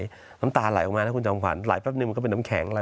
แล้วน้ำตาหล่ายออกมาให้คุณจ่ำขวัญหลายแล้วก็เป็นน้ำแข็ง